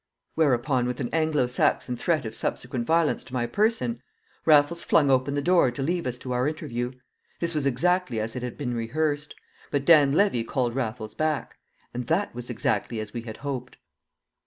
Whereupon, with an Anglo Saxon threat of subsequent violence to my person, Raffles flung open the door to leave us to our interview. This was exactly as it had been rehearsed. But Dan Levy called Raffles back. And that was exactly as we had hoped.